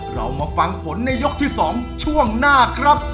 เรามาฟังผลในยกที่๒ช่วงหน้าครับ